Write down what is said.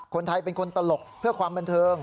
เป็นคนตลกเพื่อความบันเทิง